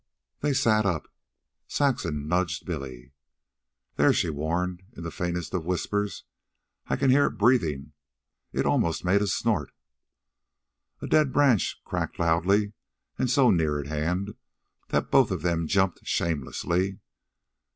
They sat up. Saxon nudged Billy. "There," she warned, in the faintest of whispers. "I can hear it breathing. It almost made a snort." A dead branch cracked loudly, and so near at hand, that both of them jumped shamelessly.